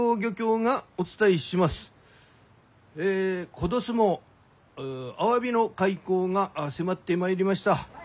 今年もアワビの開口が迫ってまいりました。